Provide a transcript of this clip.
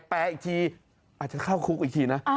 แปลอีกทีอาจจะเข้าคุกอีกทีนะ